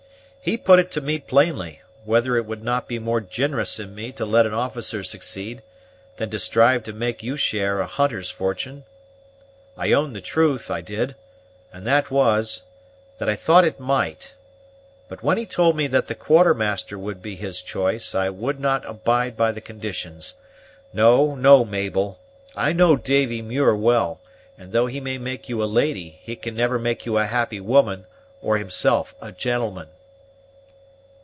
He put it to me plainly, whether it would not be more ginerous in me to let an officer succeed, than to strive to make you share a hunter's fortune. I owned the truth, I did; and that was, that I thought it might; but when he told me that the Quartermaster would be his choice, I would not abide by the conditions. No, no, Mabel; I know Davy Muir well, and though he may make you a lady, he can never make you a happy woman, or himself a gentleman."